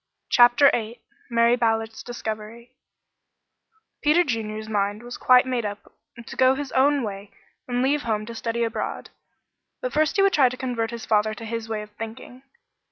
CHAPTER VIII MARY BALLARD'S DISCOVERY Peter Junior's mind was quite made up to go his own way and leave home to study abroad, but first he would try to convert his father to his way of thinking.